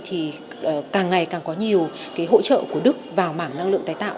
thì càng ngày càng có nhiều cái hỗ trợ của đức vào mảng năng lượng tái tạo